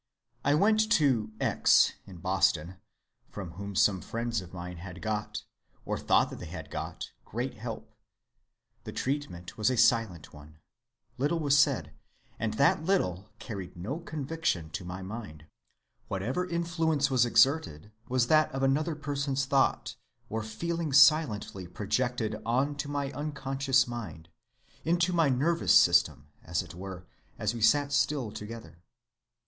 I went to X. in Boston, from whom some friends of mine had got, or thought that they had got, great help; the treatment was a silent one; little was said, and that little carried no conviction to my mind; whatever influence was exerted was that of another person's thought or feeling silently projected on to my unconscious mind, into my nervous system as it were, as we sat still together.